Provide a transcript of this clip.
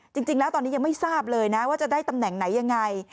จริงแล้วตอนนี้ยังไม่ทราบเลยนะว่าจะได้ตำแหน่งไหนยังไง